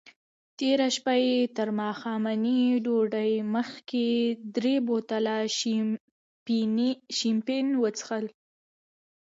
تېره شپه یې تر ماښامنۍ ډوډۍ مخکې درې بوتله شیمپین وڅیښل.